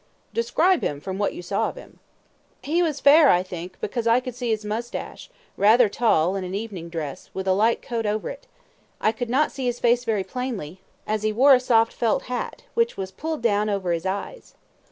Q Describe him from what you saw of him. A. He was fair, I think, because I could see his moustache, rather tall, and in evening dress, with a light coat over it. I could not see his face very plainly, as he wore a soft felt hat, which was pulled down over his eyes.